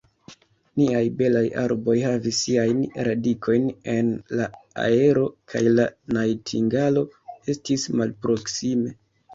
Niaj belaj arboj havis siajn radikojn en la aero, kaj la najtingalo estis malproksime.